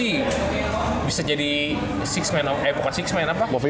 maksudnya kalau tahun ini dia main kayak gitu terus sih